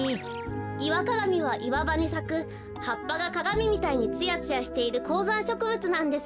イワカガミはいわばにさくはっぱがかがみみたいにツヤツヤしているこうざんしょくぶつなんです。